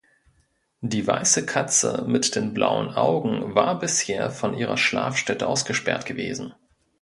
Die weiße Katze mit den blauen Augen war bisher von ihrer Schlafstätte ausgesperrt gewesen.